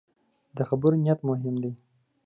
د خبرو نیت مهم دی